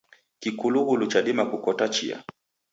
Kikulughulu chadima kukota chia.